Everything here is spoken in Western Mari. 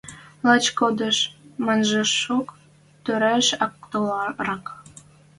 Лач кодеш манмыжок тӧреш ак толрак.